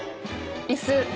椅子。